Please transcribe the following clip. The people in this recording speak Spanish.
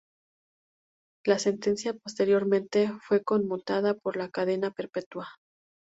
La sentencia posteriormente fue conmutada por la cadena perpetua.